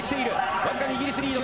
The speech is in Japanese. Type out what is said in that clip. わずかにイギリスリード。